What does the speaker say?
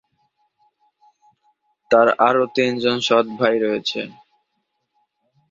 তার আরও তিনজন সৎ ভাই রয়েছে।